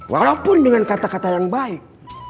walaupun dengan kata kata yang baik